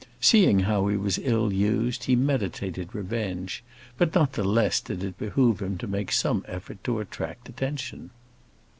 Seeing how he was ill used, he meditated revenge; but not the less did it behove him to make some effort to attract attention.